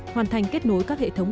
hoàn thành kết nối các hệ thống